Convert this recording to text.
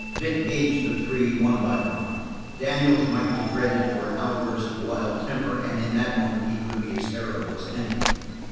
Vic gauged the three one by one. Daniels might be dreaded for an outburst of wild temper and in that moment he could be as terrible as any.